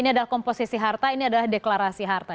ini adalah komposisi harta ini adalah deklarasi harta